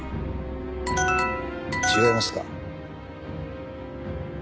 違いますか？